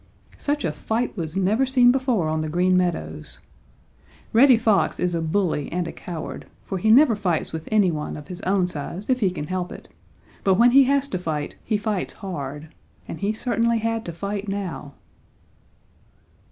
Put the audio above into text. Such a fight was never seen before on the Green Meadows! Reddy Fox is a bully and a coward, for he never fights with any one of his own size if he can help it, but when he has to fight, he fights hard. And he certainly had to fight now.